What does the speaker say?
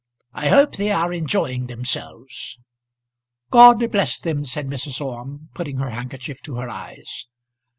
I hope they are enjoying themselves." "God bless them!" said Mrs. Orme, putting her handkerchief to her eyes.